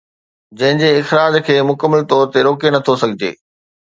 جنهن جي اخراج کي مڪمل طور تي روڪي نٿو سگهجي